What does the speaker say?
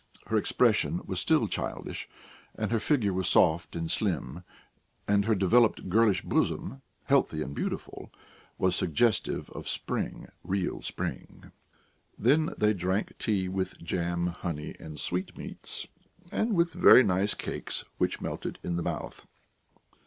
Her expression was still childish and her figure was soft and slim; and her developed girlish bosom, healthy and beautiful, was suggestive of spring, real spring. Then they drank tea with jam, honey, and sweetmeats, and with very nice cakes, which melted in the mouth.